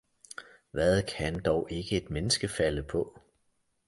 Hvad kan dog ikke et menneske falde på!